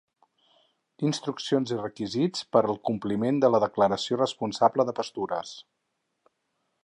Instruccions i requisits per al compliment de la Declaració responsable de pastures.